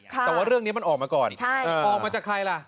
แต่ว่าเรื่องนี้มันออกมาก่อนออกมาจากใครล่ะ